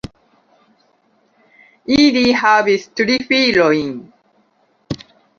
Ili havis tri filojn.